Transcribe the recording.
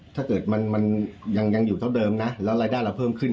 ถ้าเกิดมันยังอยู่เท่าเดิมนะแล้วรายได้เราเพิ่มขึ้น